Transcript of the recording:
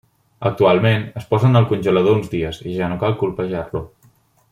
Actualment, es posen al congelador uns dies i ja no cal colpejar-lo.